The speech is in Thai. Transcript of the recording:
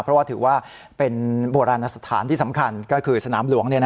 เพราะว่าถือว่าเป็นโบราณสถานที่สำคัญก็คือสนามหลวง